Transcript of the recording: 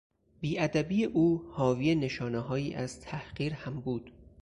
بیادبی او حاوی نشانههایی از تحقیر هم بود.